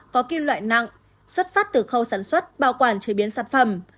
có kim loại nặng xuất phát từ khâu sản xuất bảo quản chế biến sản phẩm